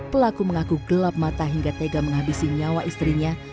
pelaku mengaku gelap mata hingga tega menghabisi nyawa istrinya